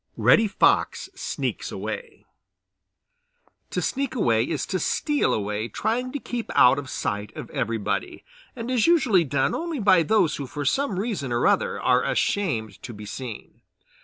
V REDDY FOX SNEAKS AWAY To sneak away is to steal away trying to keep out of sight of everybody, and is usually done only by those who for some reason or other are ashamed to be seen.